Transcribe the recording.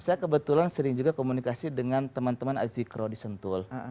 saya kebetulan sering juga komunikasi dengan teman teman azikro di sentul